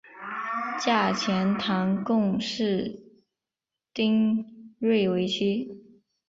嫁钱塘贡士丁睿为妻。